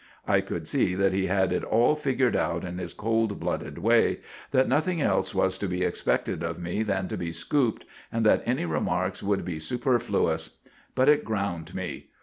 I could see that he had it all figured out in his cold blooded way; that nothing else was to be expected of me than to be scooped, and that any remarks would be superfluous. But it ground me.